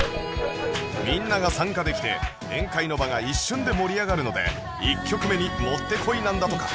みんなが参加できて宴会の場が一瞬で盛り上がるので１曲目にもってこいなんだとか